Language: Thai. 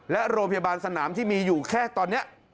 และโรงพยาบาลสนามที่มีอยู่แค่ตอนนี้